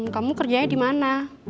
kamu kerjanya dimana